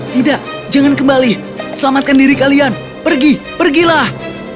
tidak jangan kembali selamatkan diri kalian pergi pergilah